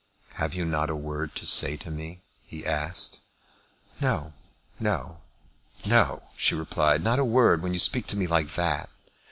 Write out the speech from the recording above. "Have you not a word to say to me?" he asked. "No; no; no;" she replied, "not a word when you speak to me like that.